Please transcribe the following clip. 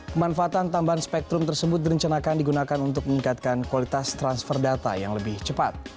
pemanfaatan tambahan spektrum tersebut direncanakan digunakan untuk meningkatkan kualitas transfer data yang lebih cepat